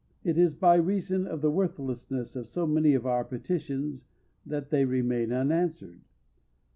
It is by reason of the worthlessness of so many of our petitions that they remain unanswered.